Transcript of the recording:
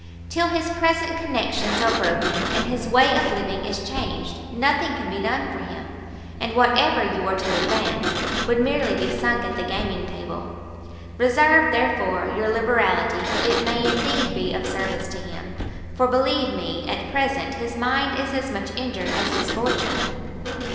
Till his present connections are broken, and his way of living is changed, nothing can be done for him, and whatever you were to advance, would merely be sunk at the gaming table. Reserve, therefore, your liberality till it may indeed be of service to him, for believe me, at present, his mind is as much injured as his fortune."